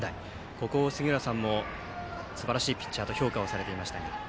ここは杉浦さんもすばらしいピッチャーと評価をされていましたが。